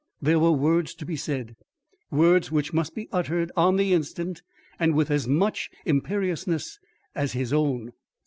There were words to be said words which must be uttered on the instant and with as much imperiousness as his own.